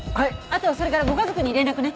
あとそれからご家族に連絡ね。